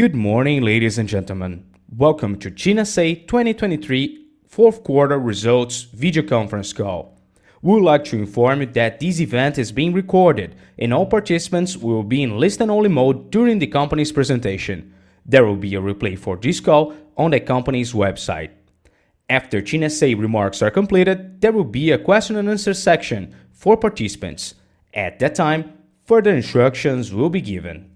Good morning, ladies and gentlemen. Welcome to TIM S.A. 2023 Q4 results video conference call. We would like to inform you that this event is being recorded, and all participants will be in listen-only mode during the company's presentation. There will be a replay for this call on the company's website. After TIM S.A. remarks are completed, there will be a Q&A section for participants. At that time, further instructions will be given.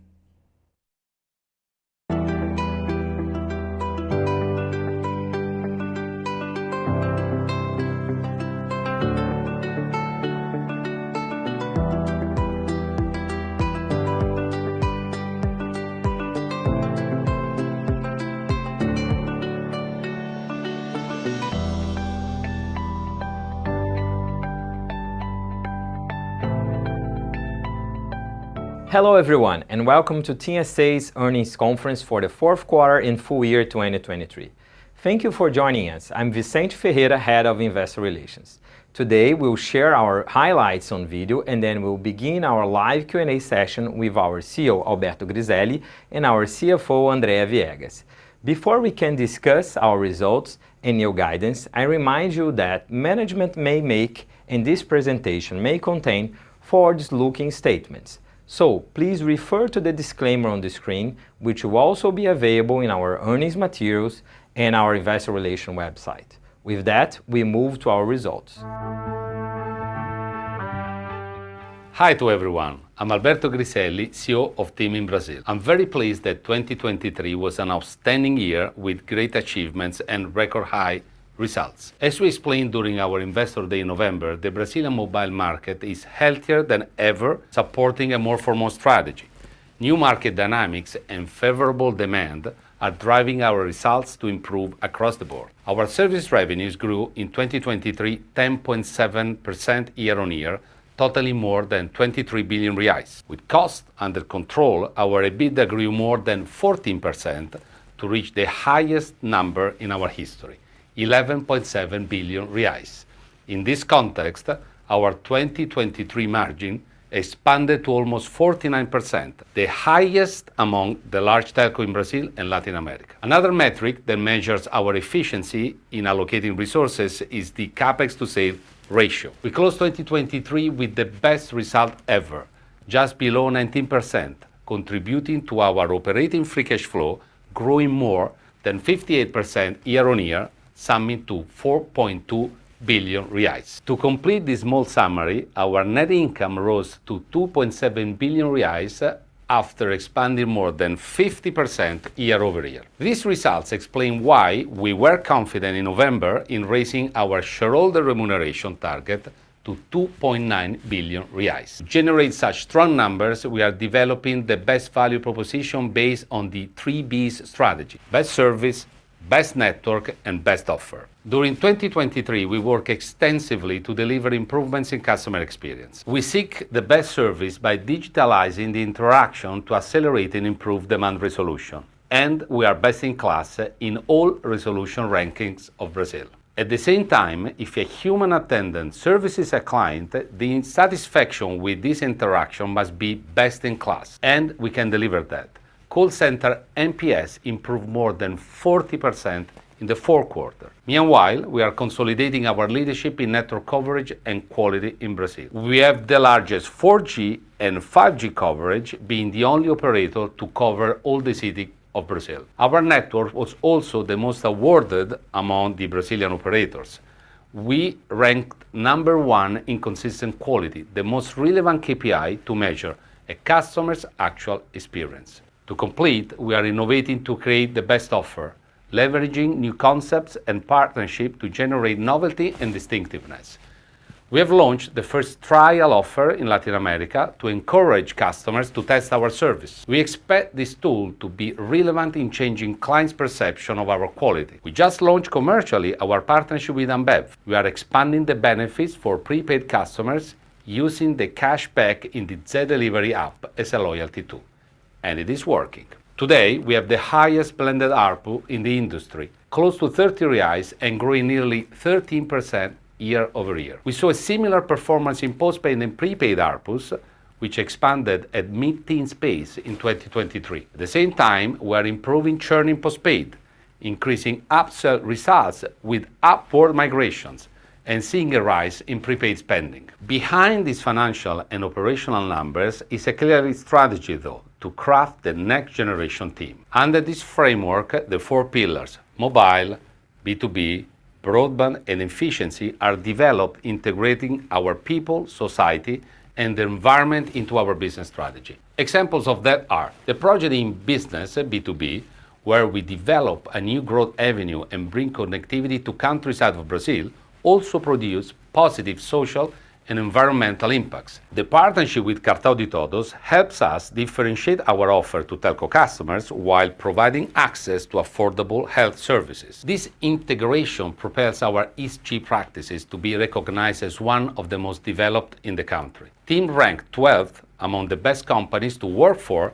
Hello, everyone, and welcome to TIM S.A.'s earnings conference for the Q4 and full year 2023. Thank you for joining us. I'm Vicente Ferreira, Head of Investor Relations. Today, we'll share our highlights on video, and then we'll begin our live Q&A session with our CEO, Alberto Griselli, and our CFO, Andrea Viegas. Before we can discuss our results and your guidance, I remind you that management may make, and this presentation may contain, forward-looking statements. So please refer to the disclaimer on the screen, which will also be available in our earnings materials and our investor relations website. With that, we move to our results. Hi to everyone. I'm Alberto Griselli, CEO of TIM in Brasil. I'm very pleased that 2023 was an outstanding year with great achievements and record high results. As we explained during our Investor Day in November, the Brazilian mobile market is healthier than ever, supporting a more for more strategy. New market dynamics and favorable demand are driving our results to improve across the board. Our service revenues grew in 2023, 10.7% year on year, totaling more than 23 billion reais. With costs under control, our EBITDA grew more than 14% to reach the highest number in our history, 11.7 billion reais. In this context, our 2023 margin expanded to almost 49%, the highest among the large telco in Brazil and Latin America. Another metric that measures our efficiency in allocating resources is the CapEx to sales ratio. We closed 2023 with the best result ever, just below 19%, contributing to our operating free cash flow, growing more than 58% year-on-year, summing to 4.2 billion reais. To complete this small summary, our net income rose to 2.7 billion reais after expanding more than 50% year-over-year. These results explain why we were confident in November in raising our shareholder remuneration target to 2.9 billion reais. To generate such strong numbers, we are developing the best value proposition based on the three Bs strategy: best service, best network, and best offer. During 2023, we worked extensively to deliver improvements in customer experience. We seek the best service by digitalizing the interaction to accelerate and improve demand resolution, and we are best in class in all resolution rankings of Brazil. At the same time, if a human attendant services a client, the satisfaction with this interaction must be best in class, and we can deliver that. Call center NPS improved more than 40% in the fourth quarter. Meanwhile, we are consolidating our leadership in network coverage and quality in Brazil. We have the largest 4G and 5G coverage, being the only operator to cover all the cities of Brazil. Our network was also the most awarded among the Brazilian operators. We ranked number one in consistent quality, the most relevant KPI to measure a customer's actual experience. To complete, we are innovating to create the best offer, leveraging new concepts and partnership to generate novelty and distinctiveness. We have launched the first trial offer in Latin America to encourage customers to test our service. We expect this tool to be relevant in changing clients' perception of our quality. We just launched commercially our partnership with Ambev. We are expanding the benefits for prepaid customers using the cashback in the Zé Delivery app as a loyalty tool, and it is working. Today, we have the highest blended ARPU in the industry, close to 30 reais and growing nearly 13% year-over-year. We saw a similar performance in postpaid and prepaid ARPUs, which expanded at mid-teens pace in 2023. At the same time, we are improving churn in postpaid, increasing upsell results with upward migrations and seeing a rise in prepaid spending. Behind these financial and operational numbers is a clear strategy, though, to craft the next generation TIM. Under this framework, the four pillars: mobile, B2B, broadband, and efficiency, are developed integrating our people, society, and the environment into our business strategy. Examples of that are the project in business, B2B...... where we develop a new growth avenue and bring connectivity to countryside of Brazil, also produce positive social and environmental impacts. The partnership with Cartão de Todos helps us differentiate our offer to telco customers while providing access to affordable health services. This integration prepares our ESG practices to be recognized as one of the most developed in the country. TIM ranked twelfth among the best companies to work for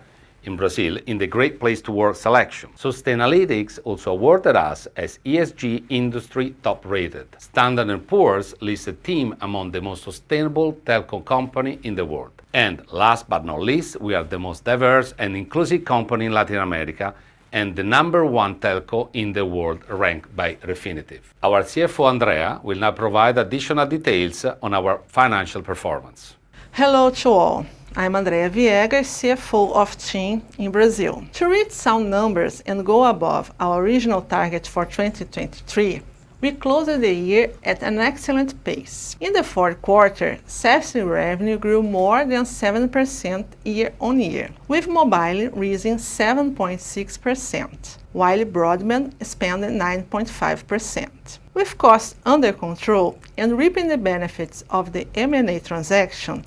in Brazil in the Great Place to Work selection. Sustainalytics also awarded us as ESG industry top-rated. Standard & Poor's lists TIM among the most sustainable telco company in the world. And last but not least, we are the most diverse and inclusive company in Latin America, and the number one telco in the world, ranked by Refinitiv. Our CFO, Andrea, will now provide additional details on our financial performance. Hello to all. I'm Andrea Viegas, CFO of TIM in Brazil. To reach some numbers and go above our original target for 2023, we closed the year at an excellent pace. In the fourth quarter, service revenue grew more than 7% year-over-year, with mobile raising 7.6%, while broadband expanded 9.5%. With costs under control and reaping the benefits of the M&A transaction,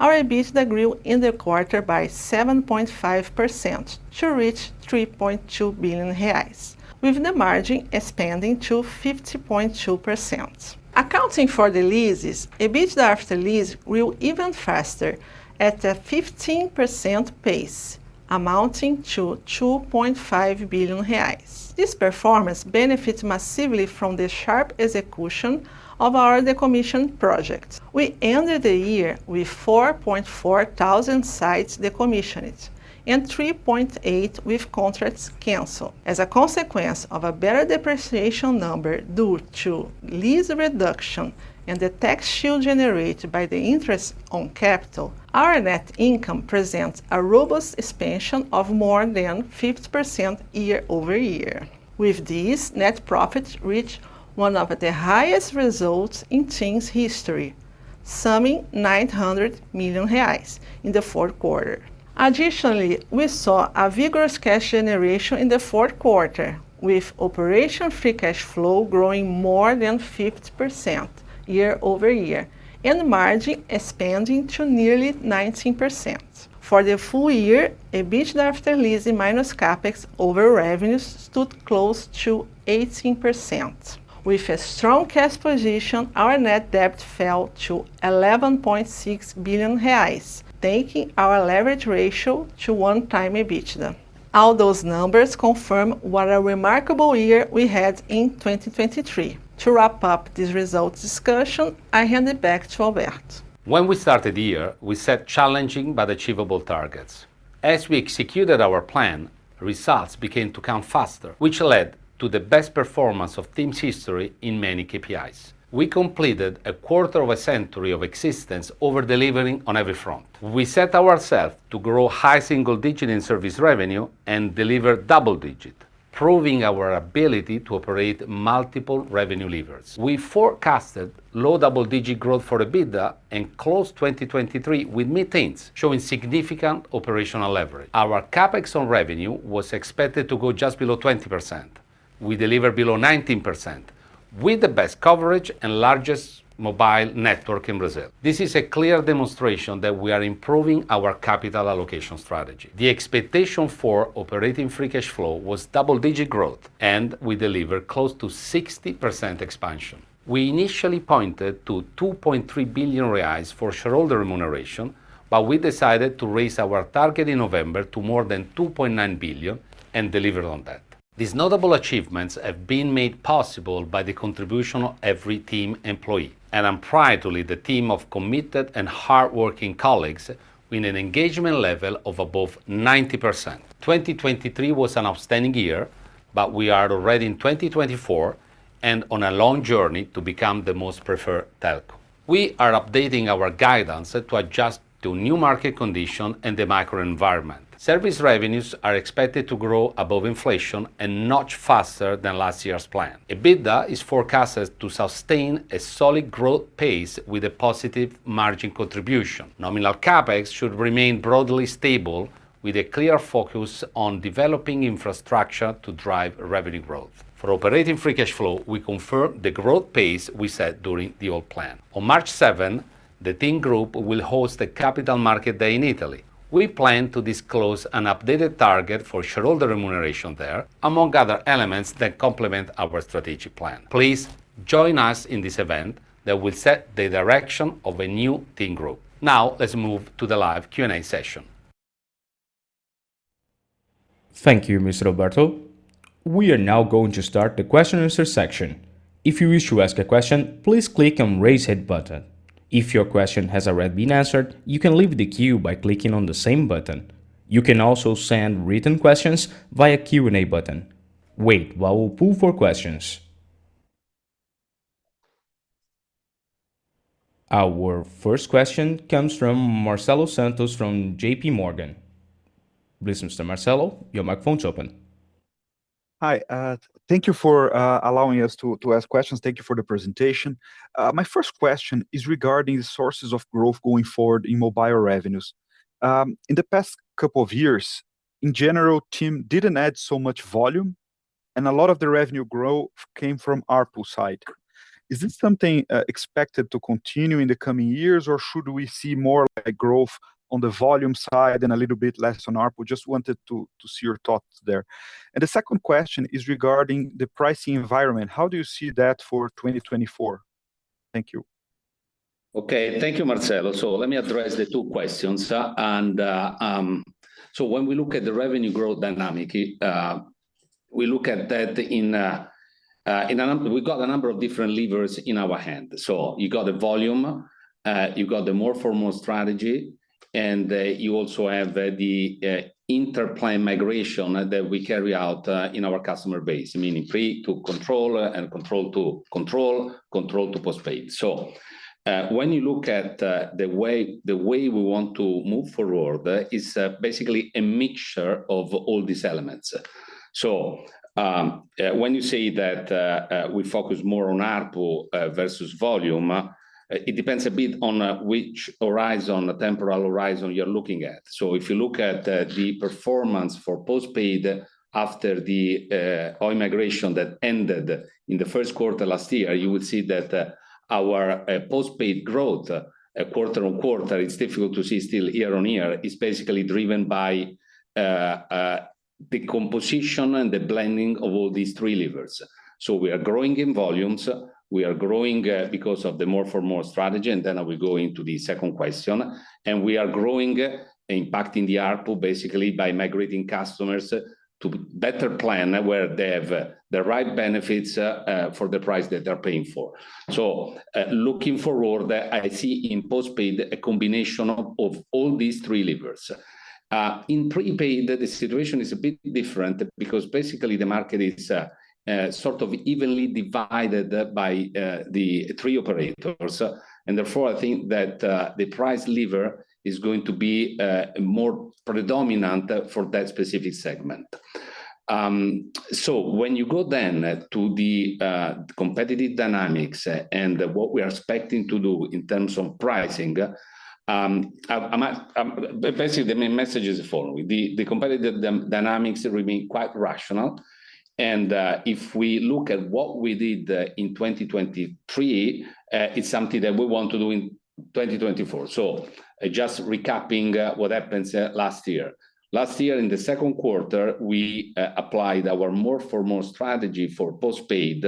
our EBITDA grew in the quarter by 7.5% to reach 3.2 billion reais, with the margin expanding to 50.2%. Accounting for the leases, EBITDA after lease grew even faster at a 15% pace, amounting to 2.5 billion reais. This performance benefits massively from the sharp execution of our decommission project. We ended the year with 4.4 thousand sites decommissioned and 3.8 with contracts canceled. As a consequence of a better depreciation number, due to lease reduction and the tax shield generated by the interest on capital, our net income presents a robust expansion of more than 50% year-over-year. With this, net profit reach one of the highest results in TIM's history, summing 900 million reais in the fourth quarter. Additionally, we saw a vigorous cash generation in the fourth quarter, with operational free cash flow growing more than 50% year-over-year and margin expanding to nearly 19%. For the full year, EBITDA after leasing minus CapEx over revenues stood close to 18%. With a strong cash position, our net debt fell to 11.6 billion reais, taking our leverage ratio to 1x EBITDA. All those numbers confirm what a remarkable year we had in 2023. To wrap up this results discussion, I hand it back to Alberto. When we started the year, we set challenging but achievable targets. As we executed our plan, results began to come faster, which led to the best performance of TIM's history in many KPIs. We completed a quarter of a century of existence, over-delivering on every front. We set ourselves to grow high single digit in service revenue and deliver double digit, proving our ability to operate multiple revenue levers. We forecasted low double-digit growth for EBITDA and closed 2023 with mid-teens, showing significant operational leverage. Our CapEx on revenue was expected to go just below 20%. We delivered below 19% with the best coverage and largest mobile network in Brazil. This is a clear demonstration that we are improving our capital allocation strategy. The expectation for operating free cash flow was double-digit growth, and we delivered close to 60% expansion. We initially pointed to 2.3 billion reais for shareholder remuneration, but we decided to raise our target in November to more than 2.9 billion and delivered on that. These notable achievements have been made possible by the contribution of every TIM employee, and I'm proud to lead the team of committed and hardworking colleagues with an engagement level of above 90%. 2023 was an outstanding year, but we are already in 2024 and on a long journey to become the most preferred telco. We are updating our guidance to adjust to new market condition and the microenvironment. Service revenues are expected to grow above inflation and much faster than last year's plan. EBITDA is forecasted to sustain a solid growth pace with a positive margin contribution. Nominal CapEx should remain broadly stable, with a clear focus on developing infrastructure to drive revenue growth. For operating free cash flow, we confirm the growth pace we set during the old plan. On 7 March, the TIM Group will host a Capital Market Day in Italy. We plan to disclose an updated target for shareholder remuneration there, among other elements that complement our strategic plan. Please join us in this event that will set the direction of a new TIM Group. Now, let's move to the live Q&A session. Thank you, Mr. Alberto. We are now going to start the question and answer section. If you wish to ask a question, please click on Raise Hand button. If your question has already been answered, you can leave the queue by clicking on the same button. You can also send written questions via Q&A button. Wait while we pull for questions. Our first question comes from Marcelo Santos, from JP Morgan. Please, Mr. Marcelo, your microphone's open.... Hi, thank you for allowing us to ask questions. Thank you for the presentation. My first question is regarding the sources of growth going forward in mobile revenues. In the past couple of years, in general, TIM didn't add so much volume, and a lot of the revenue growth came from ARPU side. Is this something expected to continue in the coming years, or should we see more, like, growth on the volume side and a little bit less on ARPU? Just wanted to see your thoughts there. And the second question is regarding the pricing environment. How do you see that for 2024? Thank you. Okay, thank you, Marcelo. So let me address the two questions. So when we look at the revenue growth dynamic, we look at that we've got a number of different levers in our hand. So you got the volume, you've got the more for more strategy, and you also have the inter-plan migration that we carry out in our customer base, meaning pre to control and control to control, control to postpaid. So when you look at the way, the way we want to move forward is basically a mixture of all these elements. So when you say that we focus more on ARPU versus volume, it depends a bit on which horizon, the temporal horizon you're looking at. So if you look at the performance for postpaid after the Oi migration that ended in the first quarter last year, you would see that our postpaid growth quarter-on-quarter, it's difficult to see still year-on-year, is basically driven by the composition and the blending of all these three levers. We are growing in volumes. We are growing because of the more for more strategy, and then I will go into the second question. We are growing, impacting the ARPU basically by migrating customers to better plan where they have the right benefits for the price that they're paying for. Looking forward, I see in postpaid a combination of all these three levers. In prepaid, the situation is a bit different because basically the market is sort of evenly divided by the three operators. And therefore, I think that the price lever is going to be more predominant for that specific segment. So when you go then to the competitive dynamics and what we are expecting to do in terms of pricing, I'm basically, the main message is the following. The competitive dynamics remain quite rational, and if we look at what we did in 2023, it's something that we want to do in 2024. So just recapping what happened last year. Last year, in the Q2, we applied our more for more strategy for postpaid,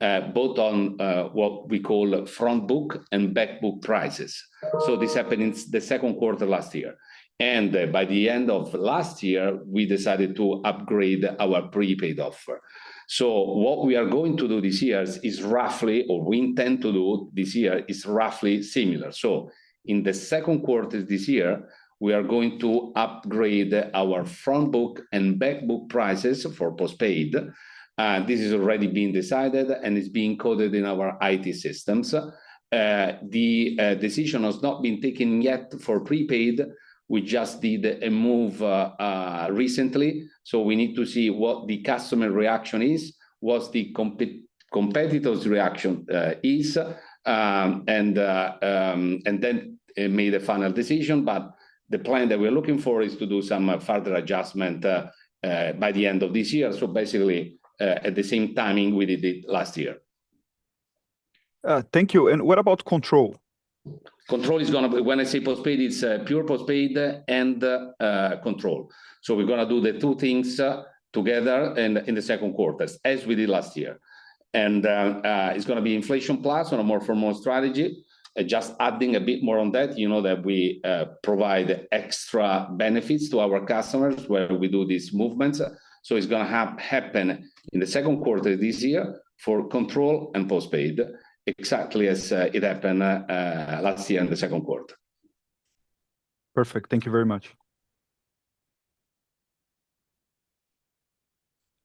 both on what we call front book and back book prices. So this happened in the second quarter last year. By the end of last year, we decided to upgrade our prepaid offer. So what we are going to do this year is, is roughly, or we intend to do this year, is roughly similar. So in the second quarter this year, we are going to upgrade our front book and back book prices for postpaid. This has already been decided, and it's being coded in our IT systems. The decision has not been taken yet for prepaid. We just did a move recently, so we need to see what the customer reaction is, what the competitor's reaction is, and then make the final decision. But the plan that we're looking for is to do some further adjustment by the end of this year, so basically at the same timing we did it last year. Thank you. What about control? Control is gonna be, when I say postpaid, it's pure postpaid and control. So we're gonna do the two things together in the second quarter, as we did last year. It's gonna be inflation plus on a more for more strategy. Just adding a bit more on that, you know that we provide extra benefits to our customers where we do these movements. So it's gonna happen in the Q2 this year for control and postpaid, exactly as it happened last year in the Q2. Perfect. Thank you very much.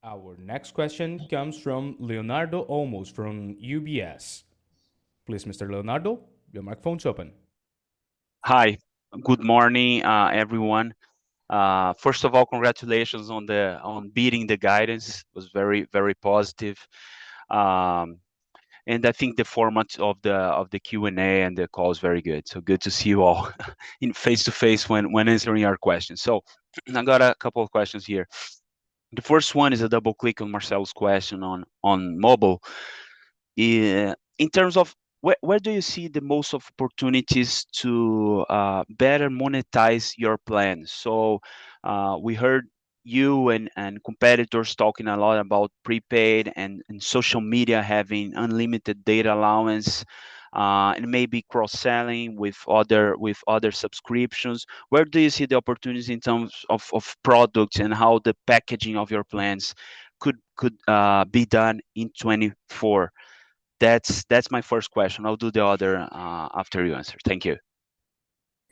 Our next question comes from Leonardo Olmos from UBS. Please, Mr. Leonardo, your microphone's open. Hi. Good morning, everyone. First of all, congratulations on the, on beating the guidance. It was very, very positive. I think the format of the, of the Q&A and the call is very good. So good to see you all in face to face when, when answering our questions. So I've got a couple of questions here. The first one is a double-click on Marcelo's question on, on mobile. In terms of where, where do you see the most opportunities to, better monetize your plan? So, we heard you and, and competitors talking a lot about prepaid and, and social media having unlimited data allowance, and maybe cross-selling with other, with other subscriptions. Where do you see the opportunities in terms of, of products and how the packaging of your plans could, could, be done in 2024? That's, that's my first question. I'll do the other, after you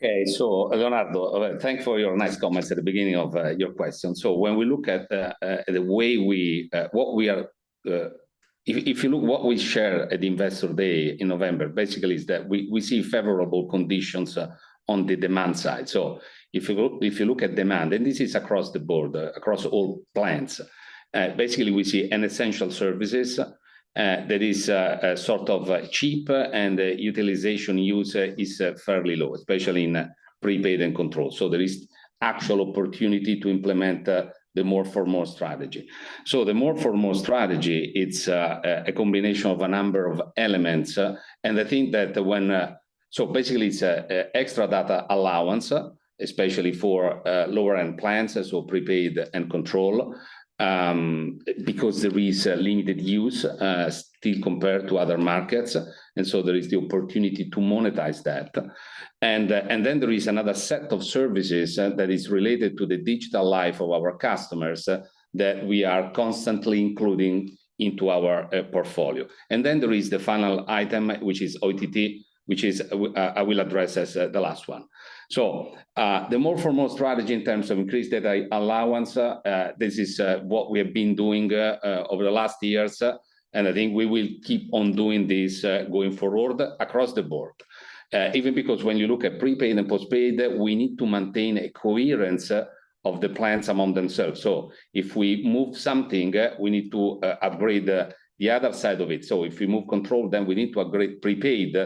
answer. Thank you. Okay. So Leonardo, thanks for your nice comments at the beginning of your question. So when we look at the way we are—if you look what we share at the Investor Day in November, basically is that we see favorable conditions on the demand side. So if you look at demand, and this is across the board, across all plans, basically we see an essential services that is sort of cheaper and the utilization use is fairly low, especially in prepaid and control. So there is actual opportunity to implement the more for more strategy. So the more for more strategy, it's a combination of a number of elements, and I think that so basically it's an extra data allowance, especially for lower-end plans as well, prepaid and control, because there is a limited use still compared to other markets, and so there is the opportunity to monetize that. And then there is another set of services that is related to the digital life of our customers that we are constantly including into our portfolio. And then there is the final item, which is OTT, which I will address as the last one. So, the more for more strategy in terms of increased data allowance, this is what we have been doing over the last years, and I think we will keep on doing this going forward across the board. Even because when you look at prepaid and postpaid, we need to maintain a coherence of the plans among themselves. So if we move something, we need to upgrade the other side of it. So if we move control, then we need to upgrade prepaid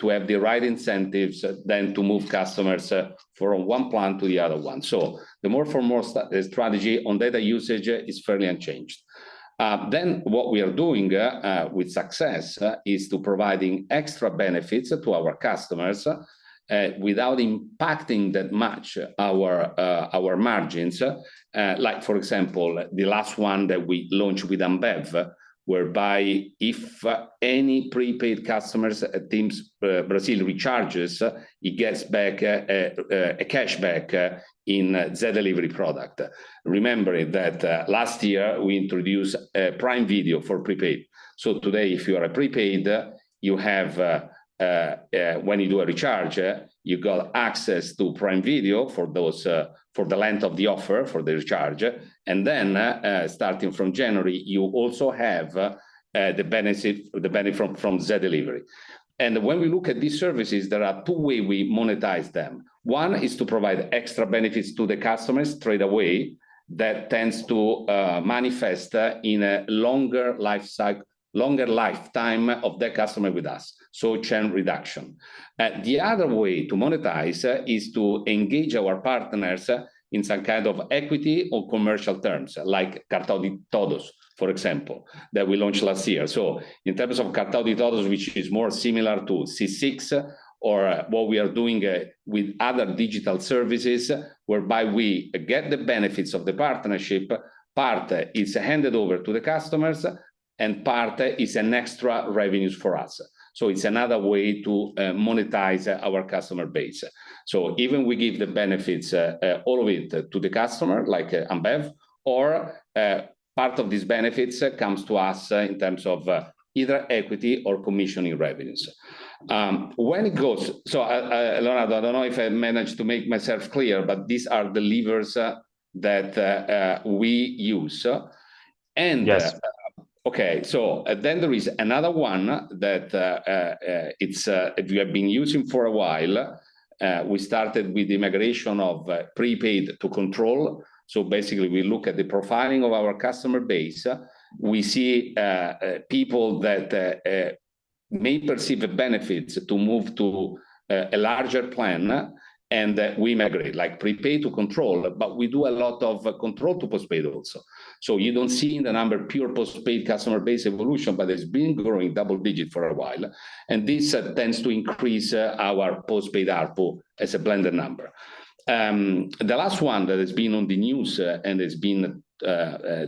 to have the right incentives, then to move customers from one plan to the other one. So the more for more strategy on data usage is fairly unchanged. Then what we are doing with success is to providing extra benefits to our customers without impacting that much our margins. Like for example, the last one that we launched with Ambev, whereby if any prepaid customer recharges TIM Brasil, he gets back a cashback in Zé Delivery product. Remember that last year, we introduced Prime Video for prepaid. So today, if you are a prepaid, you have when you do a recharge you got access to Prime Video for those for the length of the offer, for the recharge. And then starting from January, you also have the benefit the benefit from from Zé Delivery. And when we look at these services, there are two way we monetize them. One is to provide extra benefits to the customers straight away. That tends to manifest in a longer lifetime of the customer with us, so churn reduction. The other way to monetize is to engage our partners in some kind of equity or commercial terms, like Cartão de Todos, for example, that we launched last year. So in terms of Cartão de Todos, which is more similar to C6 or what we are doing with other digital services, whereby we get the benefits of the partnership, part is handed over to the customers, and part is an extra revenues for us. So it's another way to monetize our customer base. So even we give the benefits, all of it to the customer, like Ambev, or part of these benefits comes to us, in terms of either equity or commissioning revenues. So, Leonardo, I don't know if I managed to make myself clear, but these are the levers that we use. And- Yes. Okay. So then there is another one that, it's a-- we have been using for a while. We started with the migration of, prepaid to control. So basically, we look at the profiling of our customer base. We see, people that, may perceive a benefit to move to, a larger plan, and that we migrate, like prepaid to control, but we do a lot of control to postpaid also. So you don't see the number of pure postpaid customer base evolution, but it's been growing double-digit for a while, and this, tends to increase, our postpaid ARPU as a blended number. The last one that has been on the news, and has been,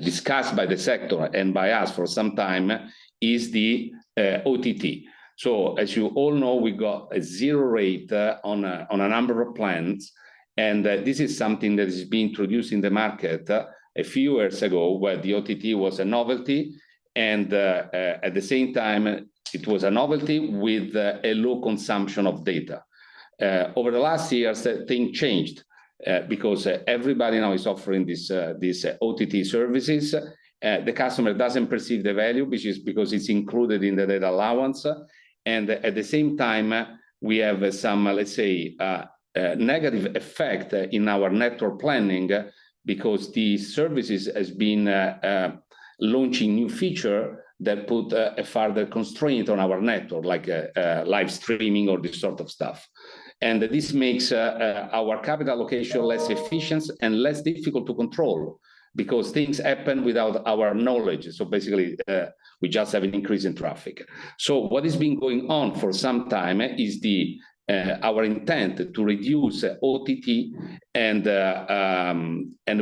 discussed by the sector and by us for some time, is the, OTT. So as you all know, we got a zero rate on a number of plans, and this is something that has been introduced in the market a few years ago, where the OTT was a novelty, and at the same time, it was a novelty with a low consumption of data. Over the last years, that thing changed because everybody now is offering these OTT services. The customer doesn't perceive the value, which is because it's included in the data allowance. And at the same time, we have some, let's say, negative effect in our network planning, because the services has been launching new feature that put a further constraint on our network, like live streaming or this sort of stuff. This makes our capital allocation less efficient and less difficult to control because things happen without our knowledge. So basically, we just have an increase in traffic. So what has been going on for some time is our intent to reduce OTT, and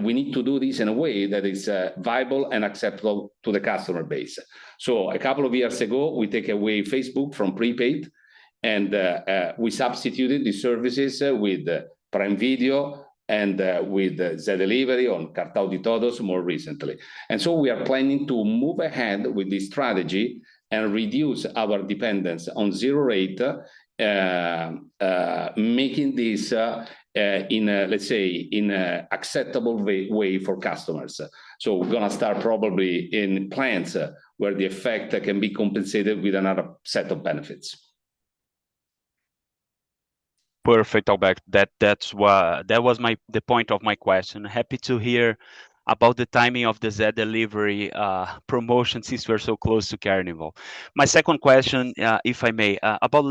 we need to do this in a way that is viable and acceptable to the customer base. So a couple of years ago, we take away Facebook from prepaid, and we substituted the services with Prime Video and with Zé Delivery on Cartão de Todos more recently. And so we are planning to move ahead with this strategy and reduce our dependence on zero rate, making this, let's say, in an acceptable way for customers. So we're going to start probably in plans, where the effect can be compensated with another set of benefits.... Perfect, Alberto. That's what that was, the point of my question. Happy to hear about the timing of the Zé Delivery promotion since we're so close to Carnival. My second question, if I may, about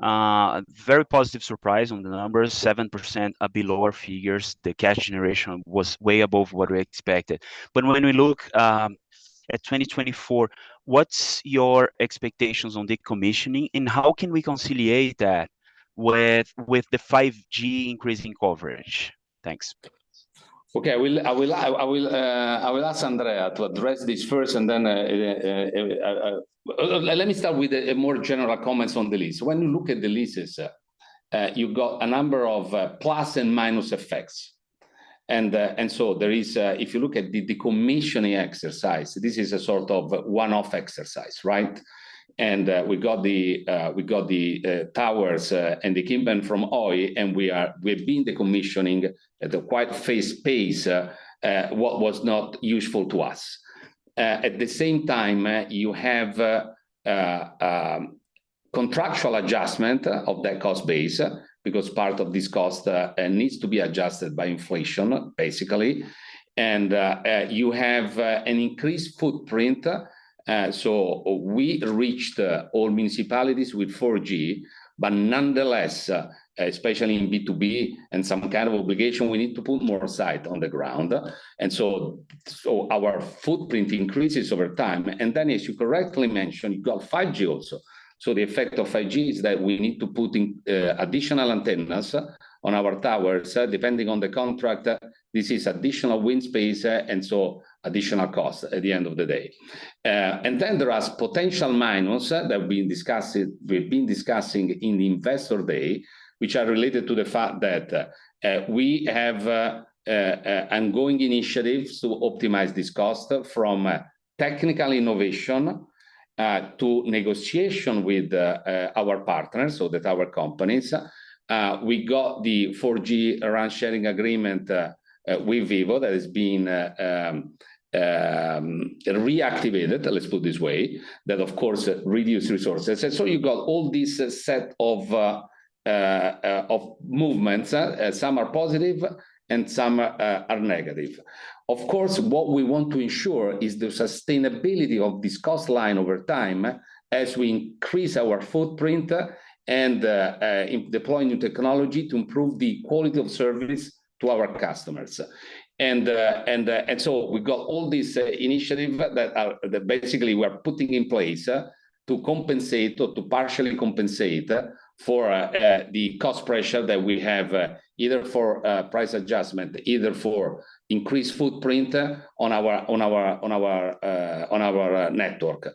leasing, very positive surprise on the numbers, 7% are below our figures. The cash generation was way above what we expected. But when we look at 2024, what's your expectations on the commissioning, and how can we conciliate that with the 5G increasing coverage? Thanks. Okay, I will ask Andrea to address this first, and then let me start with a more general comments on the lease. When you look at the leases, you've got a number of plus and minus effects. And so there is, if you look at the decommissioning exercise, this is a sort of one-off exercise, right? And we got the towers and the equipment from Oi, and we've been decommissioning at a quite fast pace what was not useful to us. At the same time, you have contractual adjustment of that cost base, because part of this cost needs to be adjusted by inflation, basically. You have an increased footprint. So we reached all municipalities with 4G, but nonetheless, especially in B2B and some kind of obligation, we need to put more sites on the ground. So our footprint increases over time. And then, as you correctly mentioned, you've got 5G also. So the effect of 5G is that we need to put in additional antennas on our towers. Depending on the contract, this is additional wind space, and so additional cost at the end of the day. And then there are potential minuses that we discussed, we've been discussing in the Investor Day, which are related to the fact that we have ongoing initiatives to optimize this cost from technical innovation to negotiation with our partners, so that our companies. We got the 4G network sharing agreement with Vivo that is being reactivated, let's put this way. That, of course, reduce resources. And so you've got all these set of of movements. Some are positive and some are negative. Of course, what we want to ensure is the sustainability of this cost line over time as we increase our footprint and deploy new technology to improve the quality of service to our customers. And so we've got all these initiatives that are that basically we're putting in place to compensate or to partially compensate for the cost pressure that we have either for price adjustment, either for increased footprint on our network.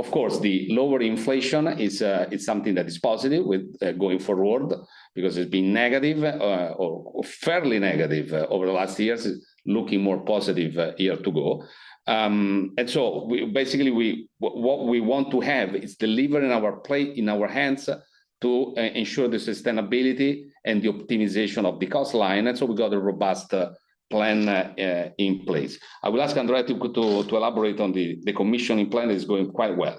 Of course, the lower inflation is something that is positive with going forward, because it's been negative or fairly negative over the last years. It's looking more positive year to go. And so basically, what we want to have is delivery in our plate, in our hands to ensure the sustainability and the optimization of the cost line. That's why we've got a robust plan in place. I will ask Andrea to elaborate on the... The commissioning plan is going quite well.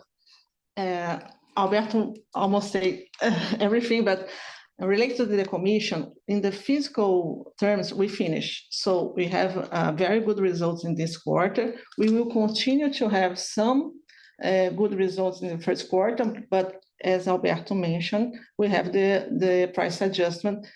Alberto almost said everything, but related to the commission, in the fiscal terms, we finished, so we have very good results in this quarter. We will continue to have some good results in the first quarter, but as Alberto mentioned, we have the price adjustment.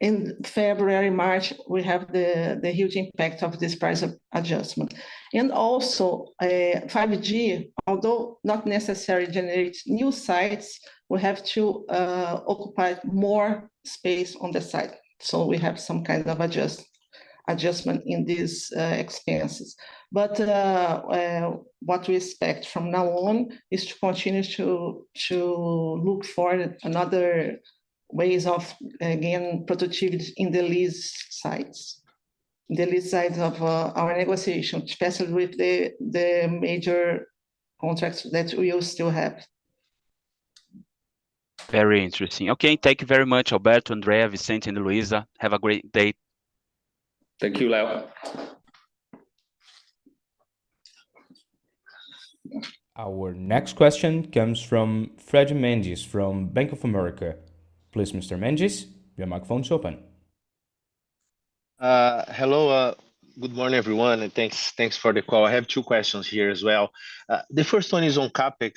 In February, March, we have the huge impact of this price adjustment. And also, 5G, although not necessarily generates new sites, we have to occupy more space on the site. So we have some kind of adjustment in these expenses. But what we expect from now on is to continue to look for another ways of, again, productivity in the lease sites of our negotiation, especially with the major contracts that we will still have. Very interesting. Okay, thank you very much, Alberto, Andrea, Vicente, and Luisa. Have a great day. Thank you, Leo. Our next question comes from Fred Mendes from Bank of America. Please, Mr. Mendes, your microphone is open. Hello. Good morning, everyone, and thanks, thanks for the call. I have two questions here as well. The first one is on CapEx,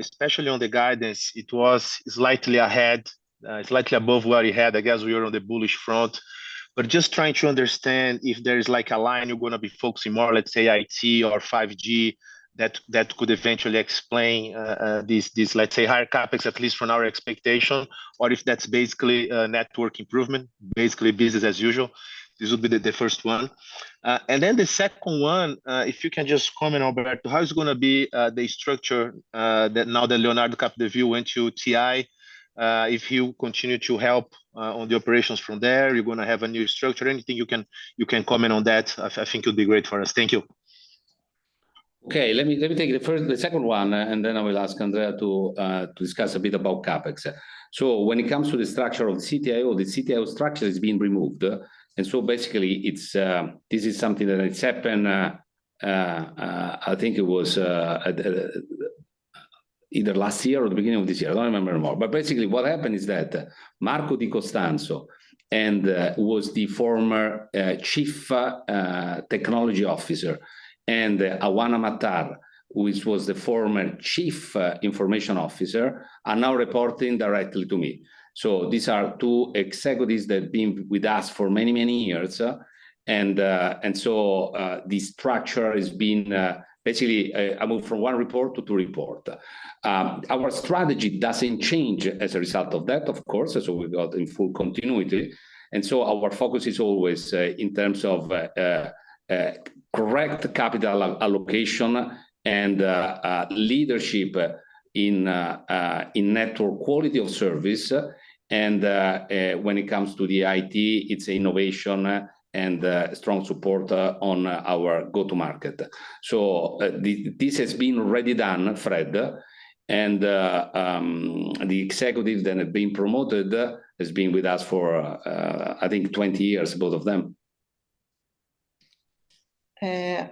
especially on the guidance. It was slightly ahead, slightly above where you had. I guess we are on the bullish front. But just trying to understand if there is, like, a line you're gonna be focusing more, let's say, IT or 5G, that, that could eventually explain, this, this, let's say, higher CapEx, at least from our expectation, or if that's basically, network improvement, basically business as usual. This would be the, the first one. And then the second one, if you can just comment, Alberto, how is it gonna be, the structure, that now that Leonardo Capdeville went to TI, if you continue to help, on the operations from there, you're gonna have a new structure? Anything you can, you can comment on that, I, I think would be great for us. Thank you. Okay, let me take the second one, and then I will ask Andrea to discuss a bit about CapEx. So when it comes to the structure of the CTO, the CTO structure is being removed. And so basically, this is something that has happened. I think it was either last year or the beginning of this year, I don't remember anymore. But basically, what happened is that Marco Di Costanzo and was the former chief technology officer, and Auana Mattar, which was the former chief information officer, are now reporting directly to me. So these are two executives that have been with us for many, many years. And so the structure has been basically I moved from one report to two report. Our strategy doesn't change as a result of that, of course, so we've got in full continuity. Our focus is always in terms of correct capital allocation and leadership in network quality of service. When it comes to the IT, it's innovation and strong support on our go-to-market. This has been already done, Fred, and the executives that have been promoted has been with us for, I think 20 years, both of them. Yeah.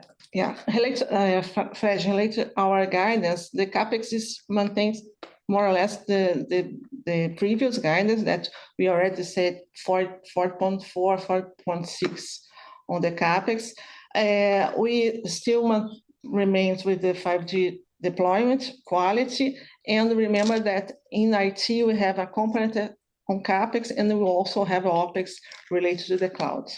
I'd like to first relate to our guidance. The CapEx maintains more or less the previous guidance that we already said, 4.4-4.6 on the CapEx. We still remains with the 5G deployment quality. And remember that in IT, we have a component on CapEx, and we also have OpEx related to the cloud.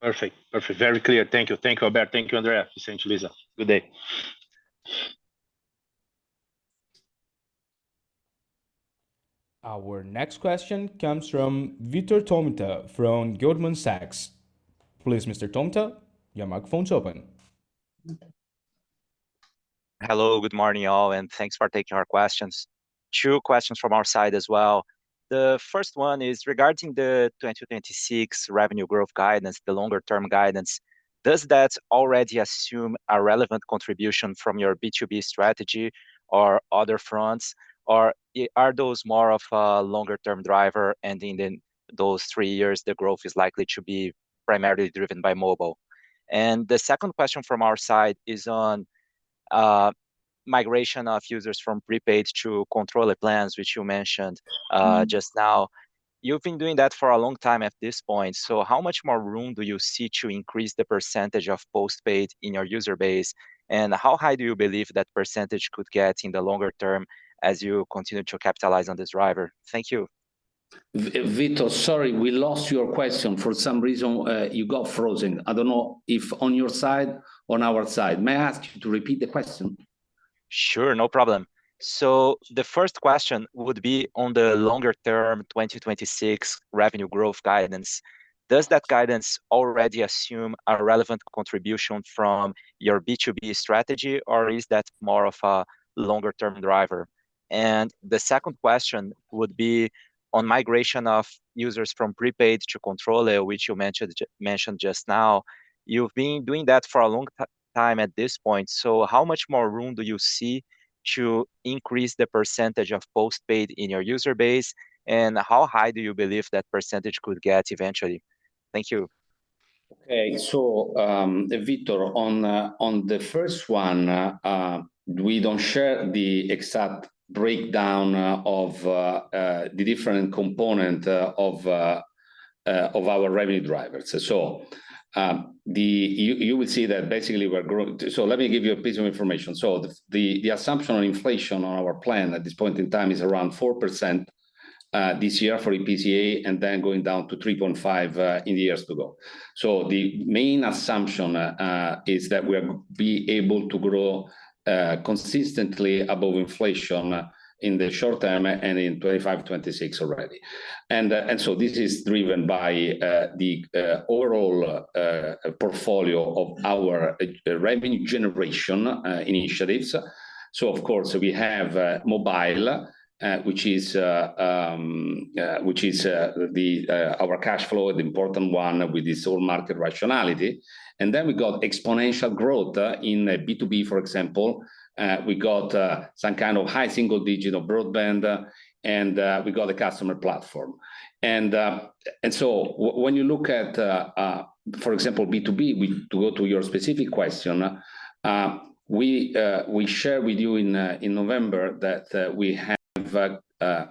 Perfect. Perfect. Very clear. Thank you. Thank you, Alberto. Thank you, Andrea. Thanks, Luisa. Good day. Our next question comes from Vitor Tomita from Goldman Sachs. Please, Mr. Tomita, your microphone's open. Hello, good morning, all, and thanks for taking our questions. Two questions from our side as well. The first one is regarding the 2026 revenue growth guidance, the longer-term guidance. Does that already assume a relevant contribution from your B2B strategy or other fronts, or are those more of a longer-term driver, and in then those three years, the growth is likely to be primarily driven by mobile? And the second question from our side is on migration of users from prepaid to controle plans, which you mentioned just now. You've been doing that for a long time at this point, so how much more room do you see to increase the percentage of postpaid in your user base? And how high do you believe that percentage could get in the longer term as you continue to capitalize on this driver? Thank you. Vi- Vitor, sorry, we lost your question. For some reason, you got frozen. I don't know if on your side, on our side. May I ask you to repeat the question? Sure, no problem. So the first question would be on the longer-term 2026 revenue growth guidance. Does that guidance already assume a relevant contribution from your B2B strategy, or is that more of a longer-term driver? And the second question would be on migration of users from prepaid to controle, which you mentioned just now. You've been doing that for a long time at this point, so how much more room do you see to increase the percentage of postpaid in your user base, and how high do you believe that percentage could get eventually? Thank you. Okay. So, Vitor, on the first one, we don't share the exact breakdown of the different component of our revenue drivers. So, you would see that basically we're growing. So let me give you a piece of information. So the assumption on inflation on our plan at this point in time is around 4% this year for IPCA, and then going down to 3.5% in the years to go. So the main assumption is that we'll be able to grow consistently above inflation in the short term and in 2025, 2026 already. And so this is driven by the overall portfolio of our revenue generation initiatives. So of course, we have mobile, which is our cash flow, the important one with this whole market rationality. And then we got exponential growth in B2B, for example, we got some kind of high single digital broadband, and we got the customer platform. And so when you look at, for example, B2B, to go to your specific question, we share with you in November that we have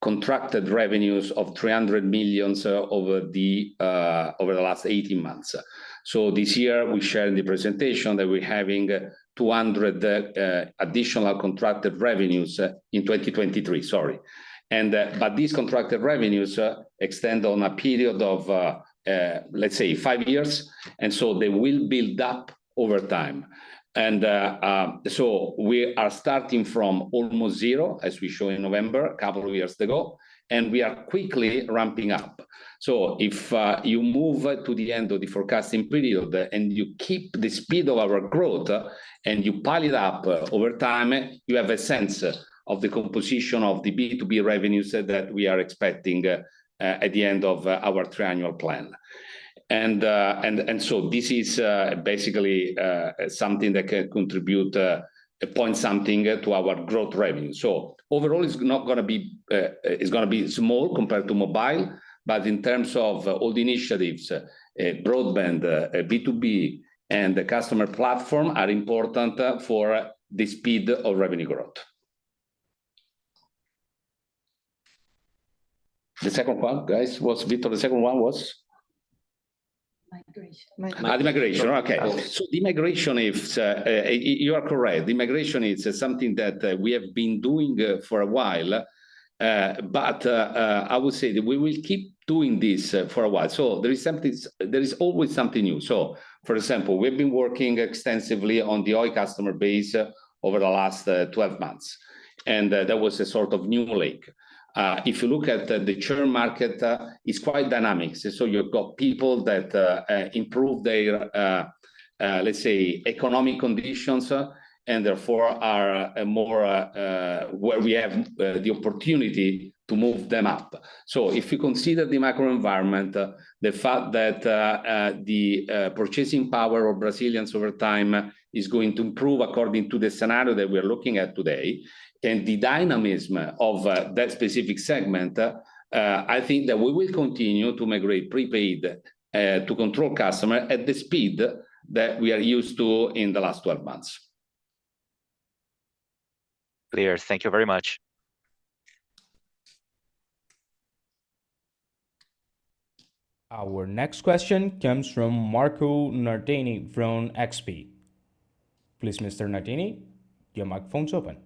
contracted revenues of 300 million, so over the last 18 months. So this year we share in the presentation that we're having 200 million additional contracted revenues in 2023, sorry. But these contracted revenues extend on a period of, let's say five years, and so they will build up over time. So we are starting from almost zero, as we show in November, a couple of years ago, and we are quickly ramping up. So if you move to the end of the forecasting period, and you keep the speed of our growth, and you pile it up over time, you have a sense of the composition of the B2B revenue so that we are expecting at the end of our triannual plan. And so this is basically something that can contribute a point something to our growth revenue. So overall, it's not gonna be... It's gonna be small compared to mobile, but in terms of all the initiatives, broadband, B2B, and the customer platform are important for the speed of revenue growth. The second one, guys, was Vitor, the second one was? Migration. Migration. Migration, okay. So the migration is, you are correct. The migration is something that we have been doing for a while. But I would say that we will keep doing this for a while. So there is something, there is always something new. So for example, we've been working extensively on the Oi customer base over the last 12 months, and that was a sort of new lake. If you look at the churn market, it's quite dynamic. So you've got people that improve their, let's say, economic conditions, and therefore are more where we have the opportunity to move them up. If you consider the macro environment, the fact that purchasing power of Brazilians over time is going to improve according to the scenario that we are looking at today, and the dynamism of that specific segment, I think that we will continue to migrate prepaid to control customer at the speed that we are used to in the last 12 months. Clear. Thank you very much. Our next question comes from Marco Nardini from XP. Please, Mr. Nardini, your microphone is open.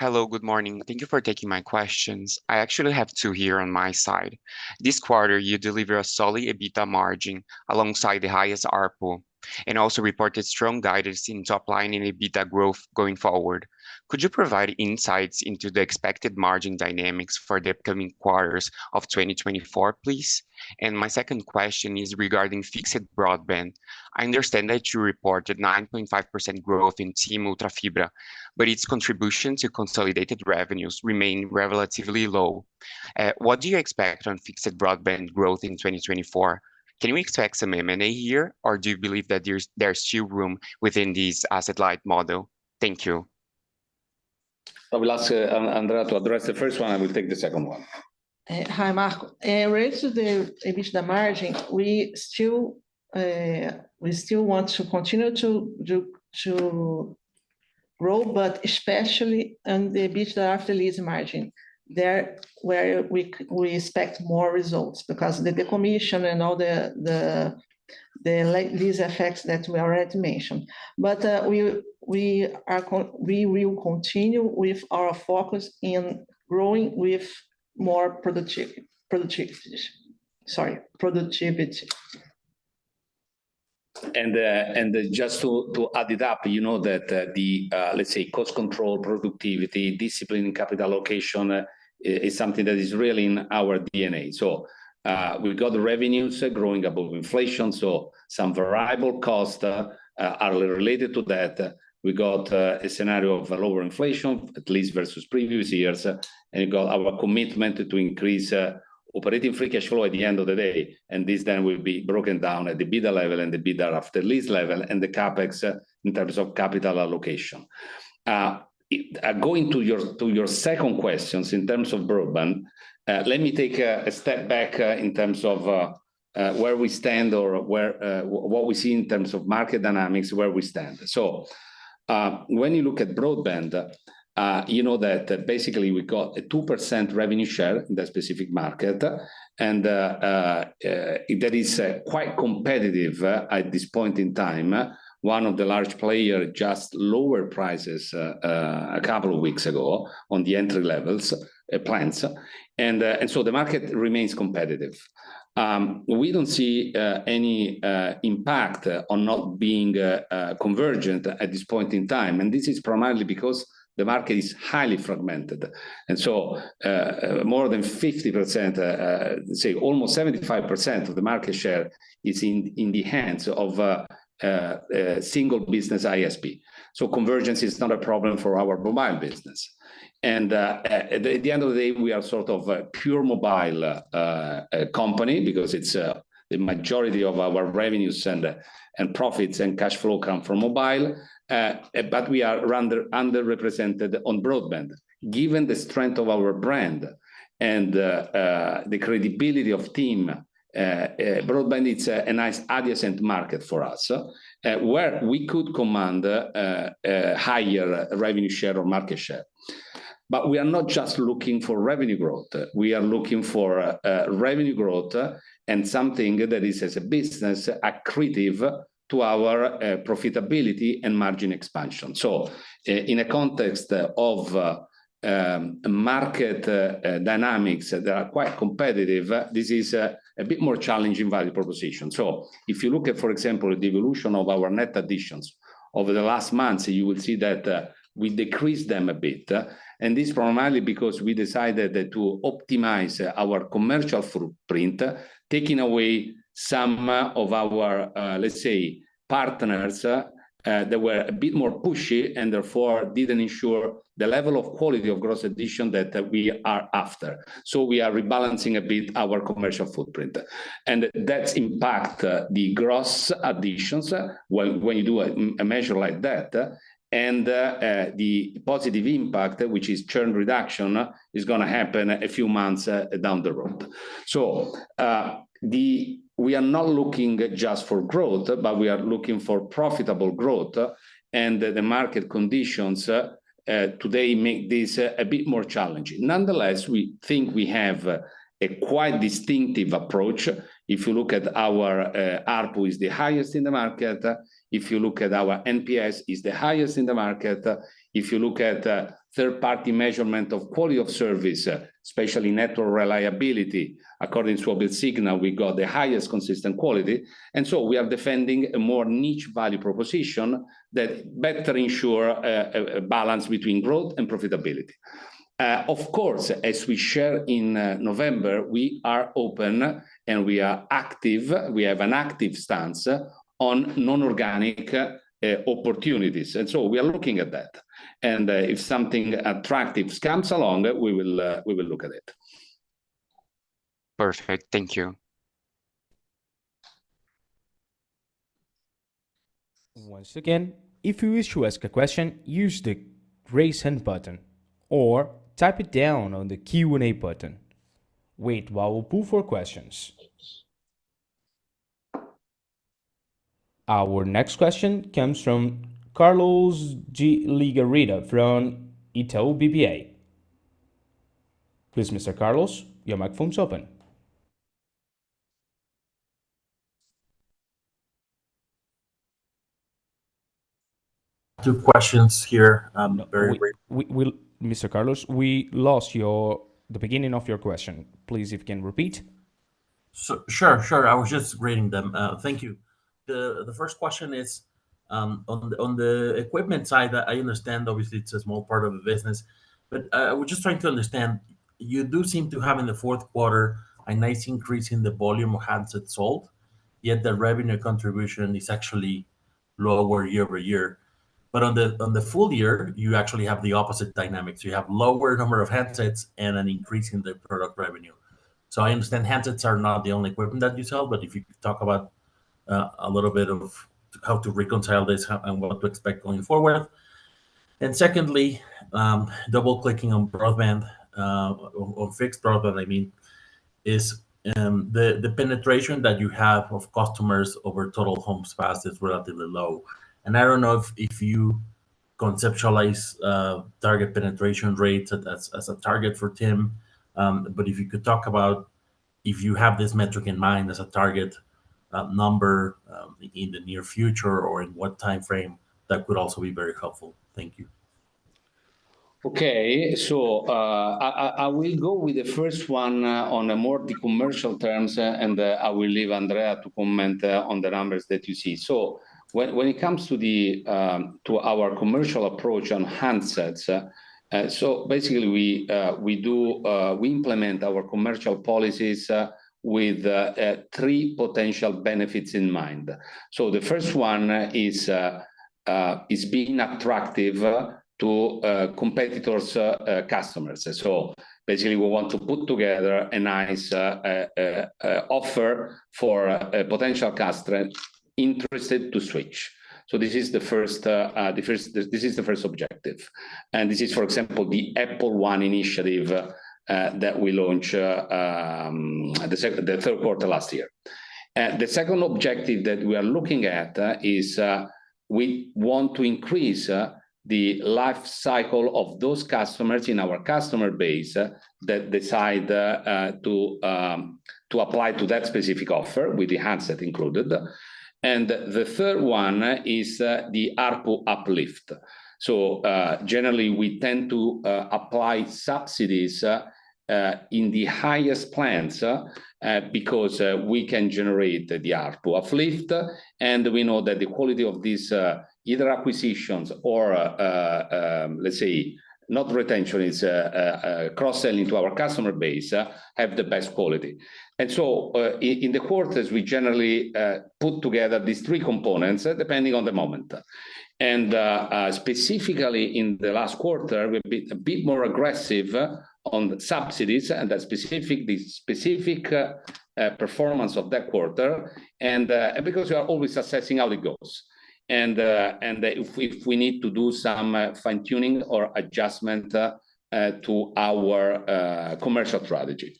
Hello, good morning. Thank you for taking my questions. I actually have two here on my side. This quarter, you delivered a solid EBITDA margin alongside the highest ARPU, and also reported strong guidance in top line and EBITDA growth going forward. Could you provide insights into the expected margin dynamics for the upcoming quarters of 2024, please? And my second question is regarding fixed broadband. I understand that you reported 9.5% growth in TIM Ultra Fibra, but its contribution to consolidated revenues remain relatively low. What do you expect on fixed broadband growth in 2024? Can we expect some M&A here, or do you believe that there's, there's still room within this asset-light model? Thank you. I will ask Andrea to address the first one. I will take the second one. Hi, Marco. Related to the EBITDA margin, we still want to continue to grow, but especially on the EBITDA after lease margin, where we expect more results because the decommission and all these effects that we already mentioned. But, we will continue with our focus in growing with more productivity. Just to add it up, you know, let's say, cost control, productivity, discipline, and capital allocation is something that is really in our DNA. So, we've got the revenues growing above inflation, so some variable costs are related to that. We got a scenario of a lower inflation, at least versus previous years. And we got our commitment to increase operating free cash flow at the end of the day, and this then will be broken down at the EBITDA level and the EBITDA After Lease level and the CapEx in terms of capital allocation. Going to your second questions in terms of broadband, let me take a step back in terms of where we stand or where what we see in terms of market dynamics, where we stand. So, when you look at broadband, you know that basically we got a 2% revenue share in that specific market, and that is quite competitive at this point in time. One of the large player just lowered prices a couple of weeks ago on the entry levels plans. And so the market remains competitive. We don't see any impact on not being convergent at this point in time, and this is primarily because the market is highly fragmented. So, more than 50%, say almost 75% of the market share is in the hands of single business ISP. So convergence is not a problem for our broadband business. And at the end of the day, we are sort of a pure mobile company because it's the majority of our revenues and profits and cash flow come from mobile. But we are underrepresented on broadband. Given the strength of our brand and the credibility of TIM broadband, it's a nice adjacent market for us where we could command a higher revenue share or market share. But we are not just looking for revenue growth, we are looking for revenue growth, and something that is, as a business, accretive to our profitability and margin expansion. So, in a context of market dynamics that are quite competitive, this is a bit more challenging value proposition. So if you look at, for example, the evolution of our net additions over the last months, you will see that we decreased them a bit, and this primarily because we decided to optimize our commercial footprint, taking away some of our, let's say, partners, they were a bit more pushy and therefore didn't ensure the level of quality of gross addition that we are after. So we are rebalancing a bit our commercial footprint. That impacts the gross additions when you do an M&A measure like that, and the positive impact, which is churn reduction, is gonna happen a few months down the road. So, we are not looking just for growth, but we are looking for profitable growth, and the market conditions today make this a bit more challenging. Nonetheless, we think we have a quite distinctive approach. If you look at our ARPU is the highest in the market. If you look at our NPS is the highest in the market. If you look at third-party measurement of quality of service, especially network reliability, according to Opensignal, we got the highest consistent quality, and so we are defending a more niche value proposition that better ensure a balance between growth and profitability. Of course, as we share in November, we are open and we are active. We have an active stance on non-organic opportunities, and so we are looking at that, and if something attractive comes along, we will we will look at it. Perfect. Thank you. Once again, if you wish to ask a question, use the Raise Hand button or type it down on the Q&A button. Wait while we pull for questions. Our next question comes from Carlos de Legarreta from Itaú BBA. Please, Mr. Carlos, your mic phone's open. Two questions here. Very great- Mr. Carlos, we lost the beginning of your question. Please, if you can repeat. Sure, sure. I was just reading them. Thank you. The first question is on the equipment side. I understand obviously it's a small part of the business. But I was just trying to understand, you do seem to have, in the Q4, a nice increase in the volume of handsets sold, yet the revenue contribution is actually lower year-over-year. But on the full year, you actually have the opposite dynamics. You have lower number of handsets and an increase in the product revenue. So I understand handsets are not the only equipment that you sell, but if you could talk about a little bit of how to reconcile this and what to expect going forward. And secondly, double-clicking on broadband, on fixed broadband, I mean, the penetration that you have of customers over total homes passed is relatively low. And I don't know if you conceptualize target penetration rates as a target for TIM, but if you could talk about if you have this metric in mind as a target number in the near future, or in what time frame, that could also be very helpful. Thank you. Okay. So, I will go with the first one, on a more the commercial terms, and, I will leave Andrea to comment, on the numbers that you see. So when it comes to our commercial approach on handsets, so basically, we implement our commercial policies with three potential benefits in mind. So the first one is being attractive to competitors' customers. So basically, we want to put together a nice offer for potential customers interested to switch. So this is the first, the first... This is the first objective, and this is, for example, the Apple One initiative that we launched, the second, the Q3 last year. The second objective that we are looking at is we want to increase the life cycle of those customers in our customer base that decide to apply to that specific offer with the handset included. And the third one is the ARPU uplift. So, generally, we tend to apply subsidies in the highest plans because we can generate the ARPU uplift, and we know that the quality of these either acquisitions or let's say, not retention, it's cross-selling to our customer base have the best quality. And so in the quarters, we generally put together these three components depending on the moment. And, specifically in the last quarter, we've been a bit more aggressive on the subsidies and the specific performance of that quarter. And, because we are always assessing how it goes, and if we need to do some fine-tuning or adjustment to our commercial strategy.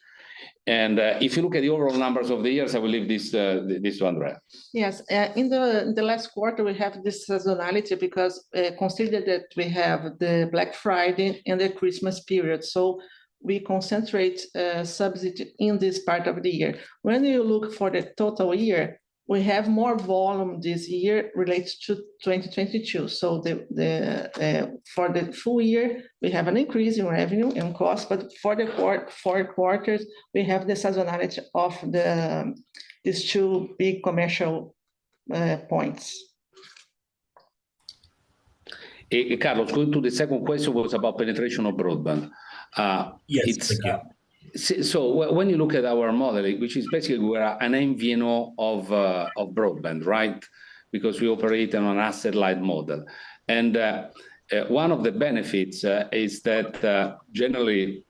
And, if you look at the overall numbers over the years, I will leave this to Andrea. Yes. In the last quarter, we have this seasonality because consider that we have the Black Friday and the Christmas period, so we concentrate subsidy in this part of the year. When you look for the total year, we have more volume this year related to 2022. So for the full year, we have an increase in revenue and cost, but for the fourth quarter, we have the seasonality of these two big commercial points.... Carlo, going to the second question was about penetration of broadband. It's- Yes, yeah. So when you look at our modeling, which is basically we're an MVNO of broadband, right? Because we operate on an asset-light model. One of the benefits is that generally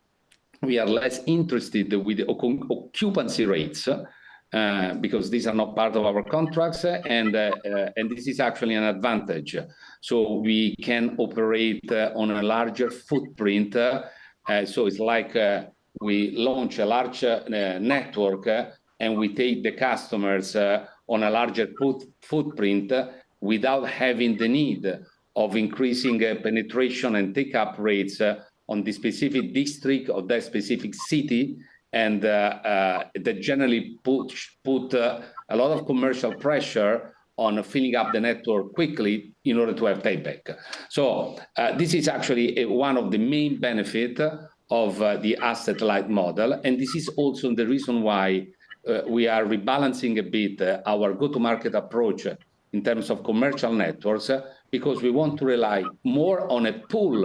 we are less interested with the occupancy rates because these are not part of our contracts and this is actually an advantage. We can operate on a larger footprint. It's like we launch a larger network and we take the customers on a larger footprint without having the need of increasing penetration and take-up rates on the specific district or that specific city. That generally put a lot of commercial pressure on filling up the network quickly in order to have payback. So, this is actually, one of the main benefit of, the asset-light model, and this is also the reason why, we are rebalancing a bit, our go-to-market approach in terms of commercial networks. Because we want to rely more on a pull,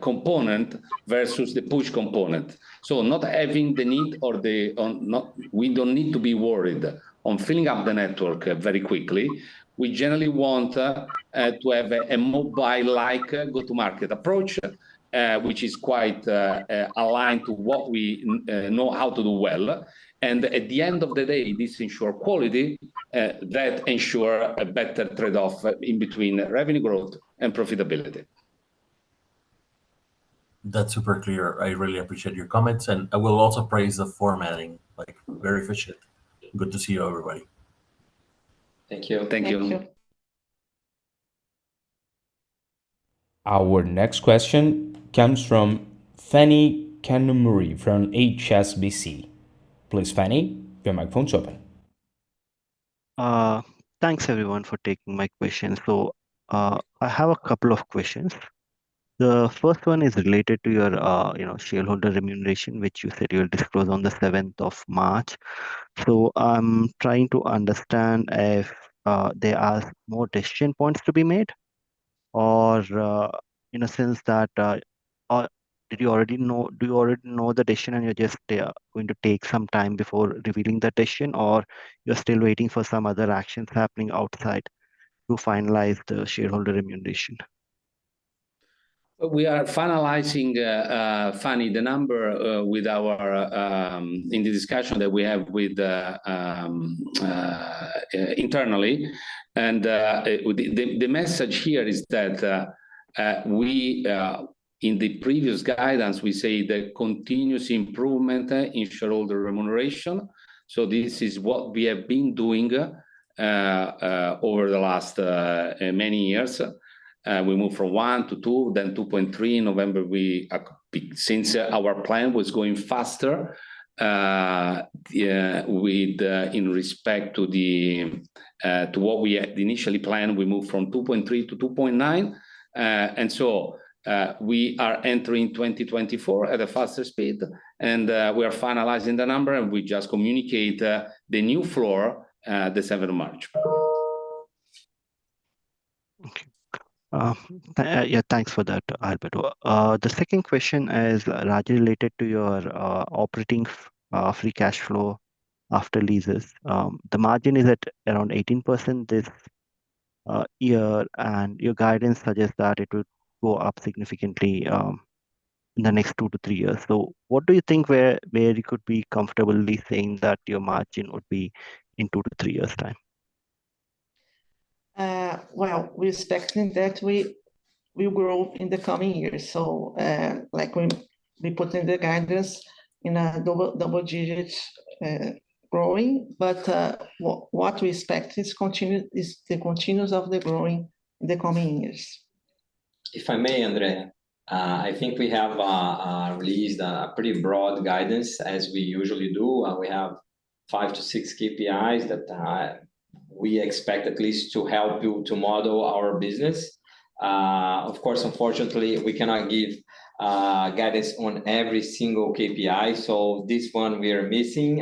component versus the push component. So not having the need or the, We don't need to be worried on filling up the network, very quickly. We generally want, to have a, a mobile-like go-to-market approach, which is quite, aligned to what we, know how to do well. And at the end of the day, this ensure quality, that ensure a better trade-off in between revenue growth and profitability. That's super clear. I really appreciate your comments, and I will also praise the formatting. Like, very efficient. Good to see you, everybody. Thank you. Thank you. Thank you. Our next question comes from Phani Kanumuri from HSBC. Please, Phani, your microphone's open. Thanks, everyone, for taking my question. So, I have a couple of questions. The first one is related to your, you know, shareholder remuneration, which you said you'll disclose on the seventh of March. So I'm trying to understand if there are more decision points to be made, or, in a sense that, did you already know—do you already know the decision, and you're just going to take some time before revealing the decision, or you're still waiting for some other actions happening outside to finalize the shareholder remuneration? We are finalizing, Phani, the number with our... In the discussion that we have with internally. And the message here is that we in the previous guidance we say the continuous improvement in shareholder remuneration. So this is what we have been doing over the last many years. We moved from 1 to 2, then 2.3. In November, since our plan was going faster, yeah, with in respect to the to what we had initially planned, we moved from 2.3 to 2.9. And so we are entering 2024 at a faster speed, and we are finalizing the number, and we just communicate the new floor, the seventh of March. Okay. Yeah, thanks for that, Alberto. The second question is largely related to your operating free cash flow after leases. The margin is at around 18% this year, and your guidance suggests that it will go up significantly in the next two to three years' time? So what do you think where, where you could be comfortably saying that your margin would be in two to three years' time? Well, we're expecting that we grow in the coming years, so like we put in the guidance in double digits growing. But what we expect is the continuation of the growing in the coming years. If I may, Andrea, I think we have released a pretty broad guidance, as we usually do. We have five to six KPIs that we expect at least to help to model our business. Of course, unfortunately, we cannot give guidance on every single KPI, so this one we are missing,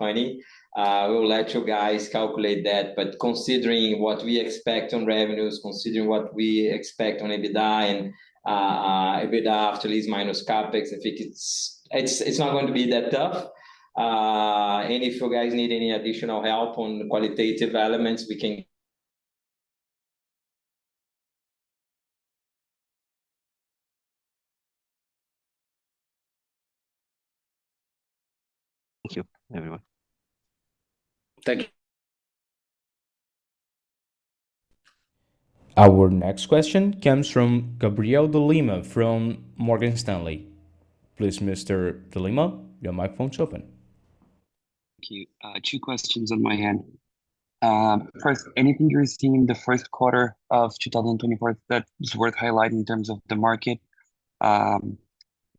Phani. We will let you guys calculate that, but considering what we expect on revenues, considering what we expect on EBITDA and EBITDA after lease minus CapEx, I think it's not going to be that tough. And if you guys need any additional help on the qualitative elements, we can- Thank you, everyone. Thank you. Our next question comes from Gabriel de Lima from Morgan Stanley. Please, Mr. de Lima, your microphone's open. Thank you. Two questions on my end. First, anything you're seeing in the Q1 of 2024 that is worth highlighting in terms of the market?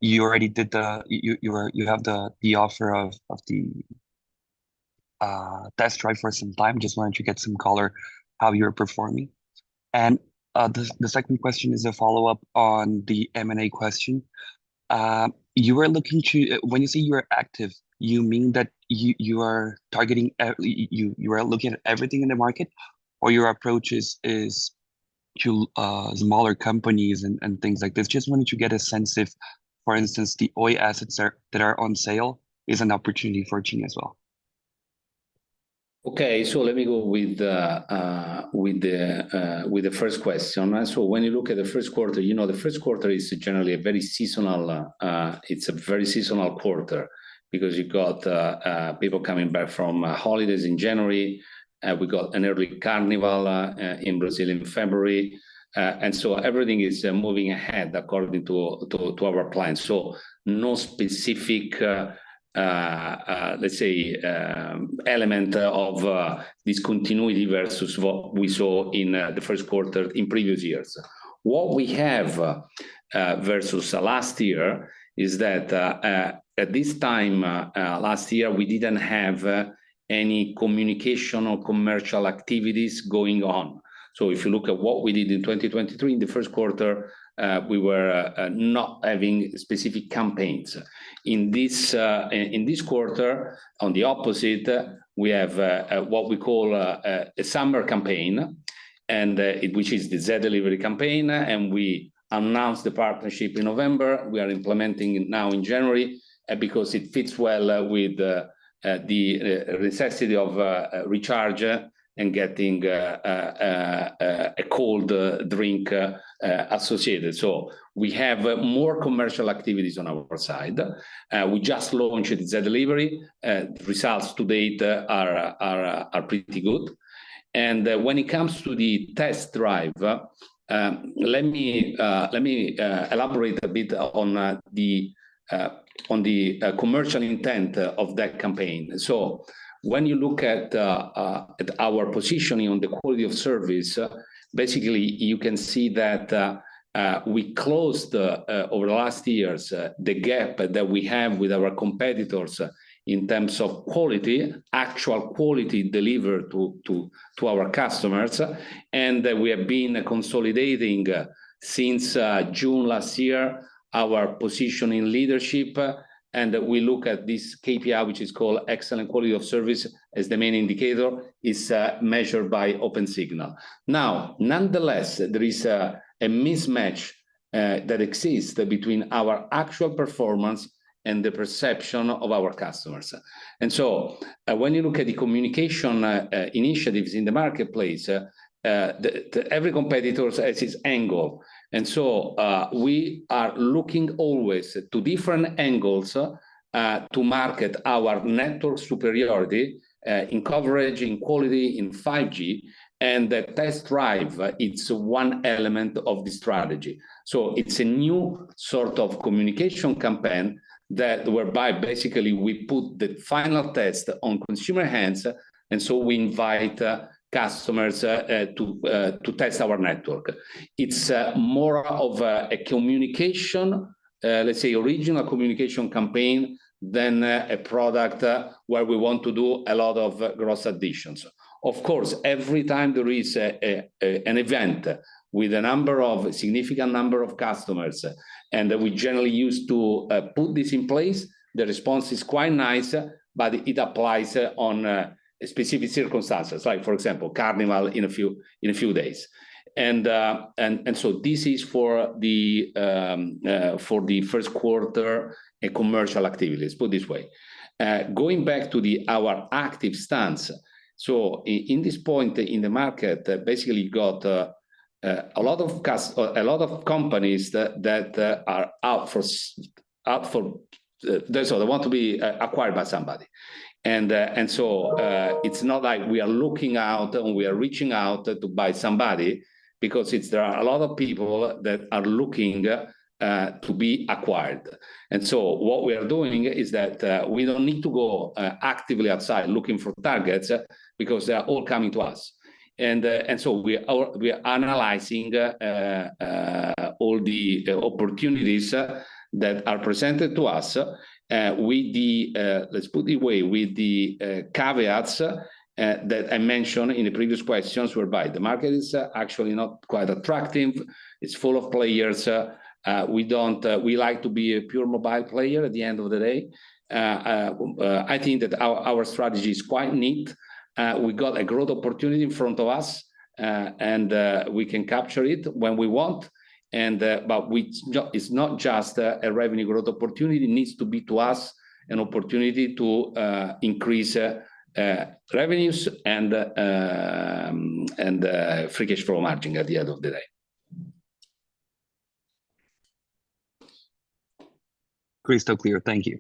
You already did the... You were you have the offer of the test drive for some time. Just wanted to get some color how you're performing. And the second question is a follow-up on the M&A question. You are looking to- when you say you are active, you mean that you are targeting you are looking at everything in the market or your approach is to smaller companies and things like this? Just wanted to get a sense if, for instance, the Oi assets that are on sale is an opportunity for TIM as well. Okay. So let me go with the first question. So when you look at the first quarter, you know, the first quarter is generally a very seasonal, it's a very seasonal quarter because you've got people coming back from holidays in January, we got an early Carnival in Brazil in February. And so everything is moving ahead according to our plans. So no specific, let's say, element of discontinuity versus what we saw in the first quarter in previous years. What we have versus last year is that at this time last year, we didn't have any communication or commercial activities going on. So if you look at what we did in 2023, in the Q1, we were not having specific campaigns. In this quarter, on the opposite, we have what we call a summer campaign, and which is the Zé Delivery campaign, and we announced the partnership in November. We are implementing it now in January, because it fits well with the necessity of recharge and getting a cold drink associated. So we have more commercial activities on our side. We just launched the Zé Delivery. The results to date are pretty good. And when it comes to the test drive, let me elaborate a bit on the commercial intent of that campaign. So when you look at our positioning on the quality of service, basically you can see that we closed over the last years the gap that we have with our competitors in terms of quality, actual quality delivered to our customers. We have been consolidating since June last year our position in leadership. We look at this KPI, which is called excellent quality of service, as the main indicator is measured by Opensignal. Now, nonetheless, there is a mismatch that exists between our actual performance and the perception of our customers. And so, when you look at the communication initiatives in the marketplace, every competitor has its angle, and so we are looking always to different angles to market our network superiority in coverage, in quality, in 5G. The test drive, it's one element of the strategy. It's a new sort of communication campaign that whereby basically we put the final test on consumer hands, and so we invite customers to test our network. It's more of a communication, let's say, original communication campaign than a product where we want to do a lot of gross additions. Of course, every time there is an event with a significant number of customers, and we generally use to put this in place, the response is quite nice, but it applies on specific circumstances, like, for example, Carnival in a few days. And so this is for the first quarter, a commercial activities, put it this way. Going back to our active stance, so in this point in the market, basically, you got a lot of companies that are out for those who they want to be acquired by somebody. It's not like we are looking out and we are reaching out to buy somebody because it's there are a lot of people that are looking to be acquired. So what we are doing is that we don't need to go actively outside looking for targets because they are all coming to us. And so we are, we are analyzing all the opportunities that are presented to us with the... Let's put it this way: with the caveats that I mentioned in the previous questions, whereby the market is actually not quite attractive. It's full of players. We don't, we like to be a pure mobile player at the end of the day. I think that our, our strategy is quite neat. We've got a growth opportunity in front of us, and we can capture it when we want. But it's not just a revenue growth opportunity. It needs to be, to us, an opportunity to increase revenues and free cash flow margin at the end of the day. Crystal clear. Thank you.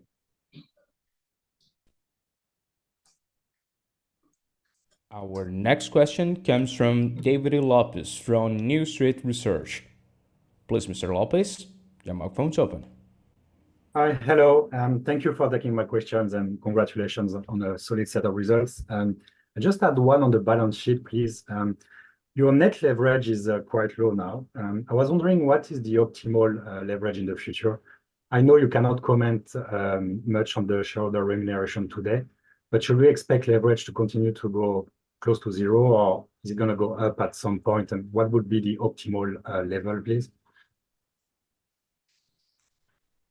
Our next question comes from David Lopes from New Street Research. Please, Mr. Lopes, your microphone is open. Hi. Hello, thank you for taking my questions, and congratulations on the solid set of results. I just had one on the balance sheet, please. Your net leverage is quite low now. I was wondering, what is the optimal leverage in the future? I know you cannot comment much on the shareholder remuneration today-... But should we expect leverage to continue to go close to zero, or is it gonna go up at some point? And what would be the optimal level, please?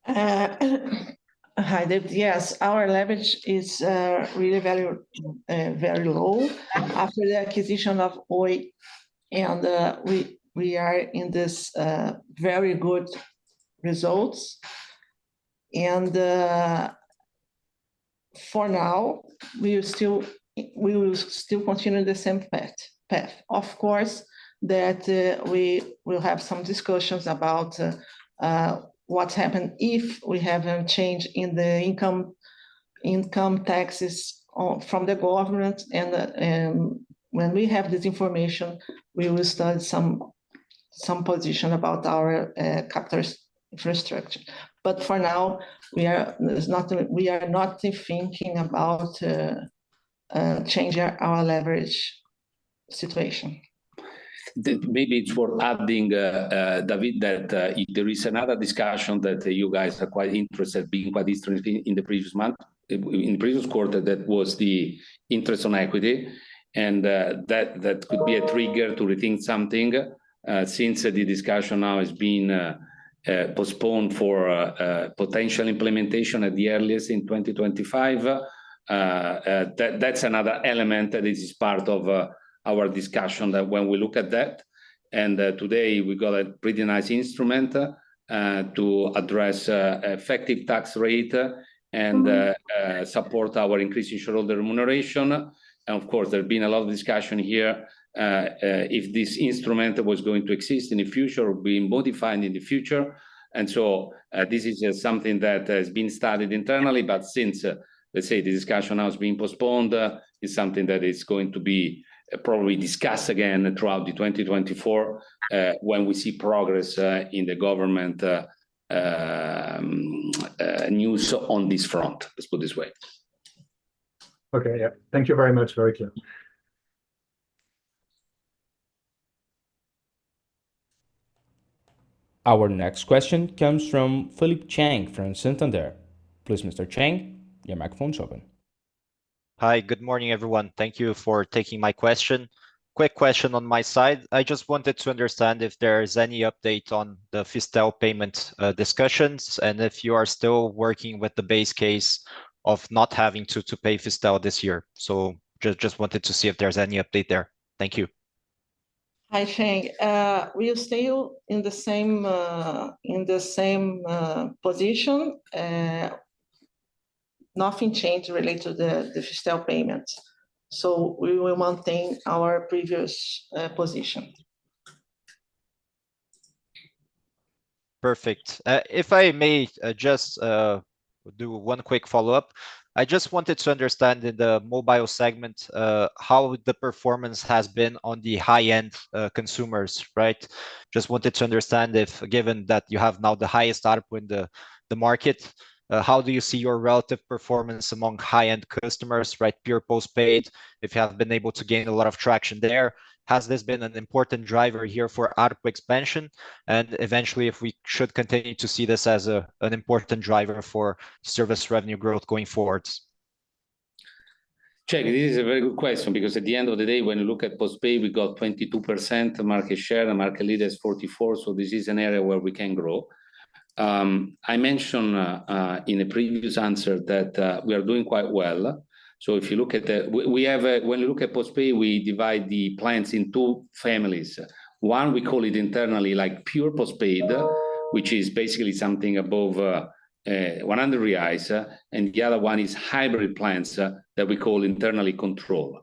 Hi, David. Yes, our leverage is really very, very low after the acquisition of Oi. We are in this very good results. For now, we are still - we will still continue the same path, path. Of course, that we will have some discussions about what happened if we have a change in the income, income taxes from the government. When we have this information, we will start some, some position about our capital structure. But for now, we are - there's nothing - we are not thinking about changing our, our leverage situation. Maybe it's worth adding, David, that there is another discussion that you guys are quite interested, being quite interested in, in the previous month, in, in previous quarter, that was the interest on equity. And that could be a trigger to rethink something, since the discussion now has been postponed for potential implementation at the earliest in 2025. That that's another element that is part of our discussion, that when we look at that, and today we've got a pretty nice instrument to address effective tax rate and support our increasing shareholder remuneration. And of course, there's been a lot of discussion here if this instrument was going to exist in the future or being modified in the future. And so, this is just something that has been studied internally, but since, let's say, the discussion now has been postponed, it's something that is going to be, probably discussed again throughout 2024, when we see progress, in the government, news on this front. Let's put it this way. Okay, yeah. Thank you very much. Very clear. Our next question comes from Felipe Cheng from Santander. Please, Mr. Cheng, your microphone's open. Hi. Good morning, everyone. Thank you for taking my question. Quick question on my side. I just wanted to understand if there is any update on the Fistel payment discussions, and if you are still working with the base case of not having to pay Fistel this year. So just wanted to see if there's any update there. Thank you. Hi, Cheng. We are still in the same position. Nothing changed related to the Fistel payments, so we were maintaining our previous position. Perfect. If I may, just do one quick follow-up. I just wanted to understand, in the mobile segment, how the performance has been on the high-end consumers, right? Just wanted to understand if, given that you have now the highest ARPU in the market, how do you see your relative performance among high-end customers, right? Pure postpaid, if you have been able to gain a lot of traction there. Has this been an important driver here for ARPU expansion? And eventually, if we should continue to see this as an important driver for service revenue growth going forwards. Cheng, this is a very good question because at the end of the day, when you look at postpaid, we got 22% market share, and market leader is 44%, so this is an area where we can grow. I mentioned in a previous answer that we are doing quite well. So if you look at postpaid, we divide the plans in two families. One, we call it internally, like, pure postpaid, which is basically something above 100 reais. And the other one is hybrid plans that we call internally, control.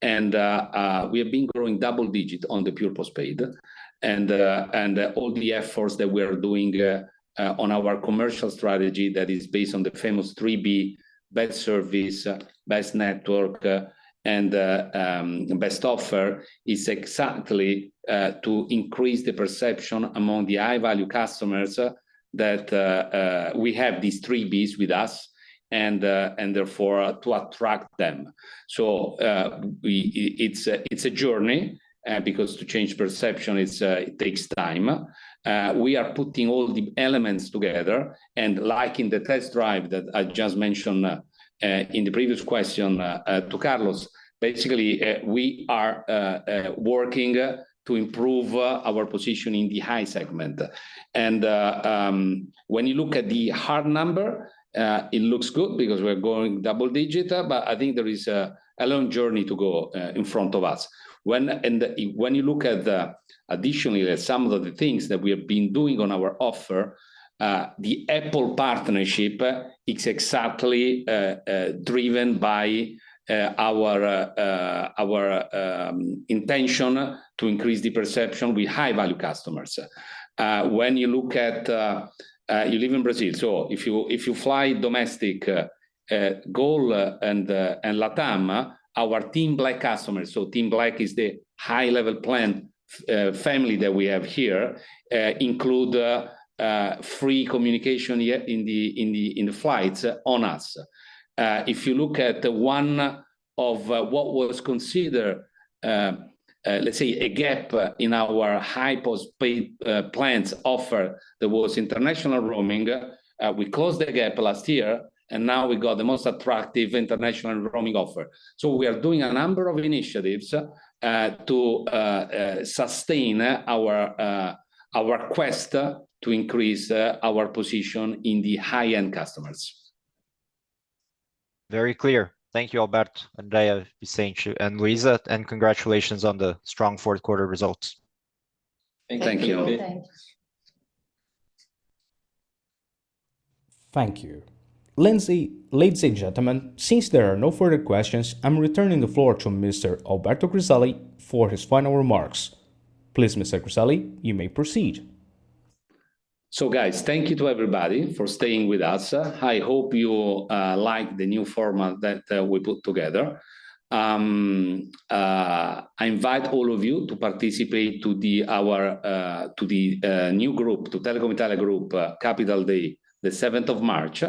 And we have been growing double-digit on the pure postpaid. All the efforts that we are doing on our commercial strategy, that is based on the famous three B, best service, best network, and best offer, is exactly to increase the perception among the high-value customers that we have these three Bs with us, and therefore to attract them. So, it's a journey because to change perception, it takes time. We are putting all the elements together, and like in the test drive that I just mentioned in the previous question to Carlos, basically we are working to improve our position in the high segment. When you look at the hard number, it looks good because we're growing double-digit, but I think there is a long journey to go in front of us. When you look at, additionally, at some of the things that we have been doing on our offer, the Apple partnership is exactly driven by our intention to increase the perception with high-value customers. When you look at... You live in Brazil, so if you fly domestic, Gol and Latam, our TIM Black customers, so TIM Black is the high-level plan family that we have here, include free communication in the flights on us. If you look at one of what was considered, let's say, a gap in our high postpaid plans offer, that was international roaming. We closed the gap last year, and now we got the most attractive international roaming offer. So we are doing a number of initiatives to sustain our our quest to increase our position in the high-end customers. Very clear. Thank you, Alberto and Andrea, Vicente and Luisa, and congratulations on the strong fourth quarter results. Thank you. Thank you. [crosstalks] Thank you. Ladies and.. ladies and gentlemen, since there are no further questions, I'm returning the floor to Mr. Alberto Griselli for his final remarks. Please, Mr. Griselli, you may proceed. So, guys, thank you to everybody for staying with us. I hope you like the new format that we put together. I invite all of you to participate to our Telecom Italia Group Capital Day, the 7 March.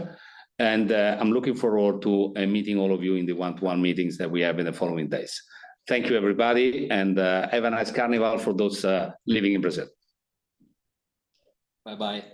And I'm looking forward to meeting all of you in the one-to-one meetings that we have in the following days. Thank you, everybody, and have a nice Carnival for those living in Brazil. Bye-bye.